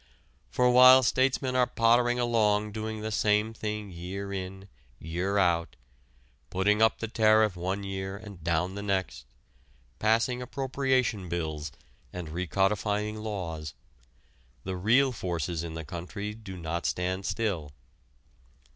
For while statesmen are pottering along doing the same thing year in, year out, putting up the tariff one year and down the next, passing appropriation bills and recodifying laws, the real forces in the country do not stand still.